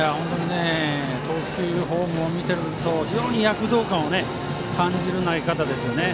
投球フォームを見ると非常に躍動感を感じる投げ方ですね。